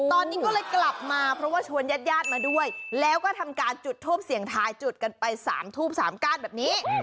ตอนนี้ก็เลยกลับมาเพราะว่าชวนญาติญาติมาด้วยแล้วก็ทำการจุดทูปเสียงทายจุดกันไป๓ทูบ๓ก้านแบบนี้